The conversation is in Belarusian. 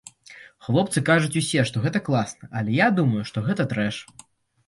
Хлопцы кажуць усе, што гэта класна, але я думаю, што гэта трэш.